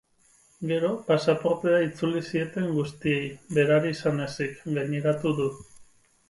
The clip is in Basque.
Gero, pasaportea itzuli zieten guztiei, berari izan ezik, gaineratu du.